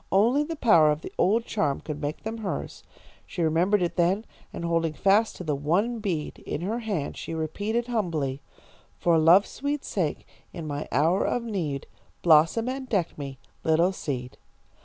Only the power of the old charm could make them hers. She remembered it then, and holding fast to the one bead in her hand, she repeated, humbly: "'For love's sweet sake, in my hour of need, Blossom and deck me, little seed.'